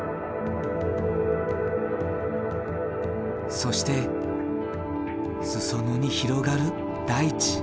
そして裾野に広がる大地。